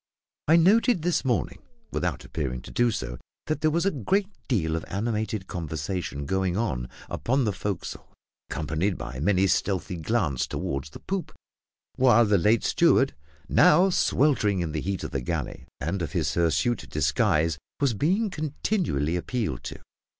I noted this morning, without appearing to do so, that there was a great deal of animated conversation going on upon the forecastle, accompanied by many stealthy glances toward the poop; while the late steward now sweltering in the heat of the galley, and of his hirsute disguise was being continually appealed to.